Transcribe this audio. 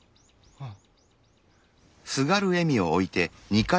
うん。